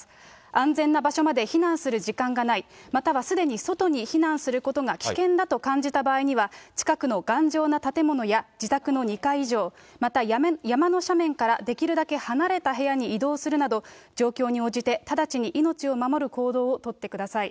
安全な場所まで避難する時間がない、またはすでに外に避難することが危険だと感じた場合には、近くの頑丈な建物や自宅の２階以上、また山の斜面からできるだけ離れた部屋に移動するなど、状況に応じて直ちに命を守る行動をとってください。